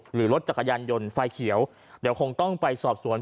หรือรถจักรยานยนต์ไฟเขียวเดี๋ยวคงต้องไปสอบสวน